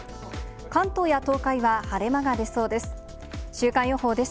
関東や東海は晴れ間が出そうです。